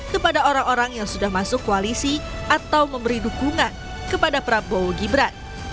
kepada orang orang yang sudah masuk koalisi atau memberi dukungan kepada prabowo gibran